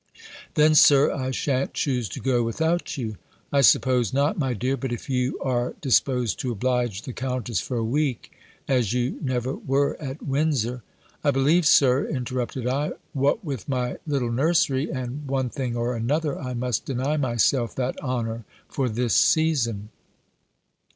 "Then, Sir, I shan't choose to go without you." "I suppose not, my dear. But if you are disposed to oblige the Countess for a week, as you never were at Windsor " "I believe, Sir," interrupted I, "what with my little nursery, and one thing or another, I must deny myself that honour, for this season."